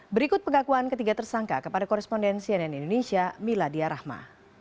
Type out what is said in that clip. berikut pengakuan ketiga tersangka kepada koresponden cnn indonesia miladia rahma